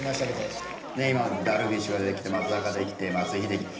今ダルビッシュが出てきて松坂出てきて松井秀喜。